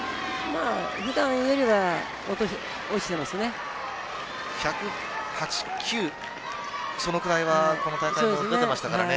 普段よりは落ちてますね。